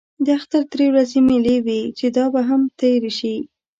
د اختر درې ورځې مېلې وې چې دا به هم تېرې شي.